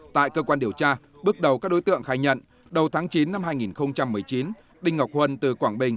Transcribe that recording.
tại cơ quan điều tra bước đầu các đối tượng khai nhận đầu tháng chín năm hai nghìn một mươi chín đinh ngọc huân từ quảng bình